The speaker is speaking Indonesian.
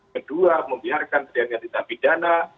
kedua membiarkan tindak pidana